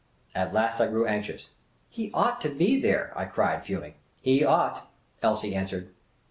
At last I grew anxious. " He ought to be there," I cried, fuming. " He ought," Elsie answered.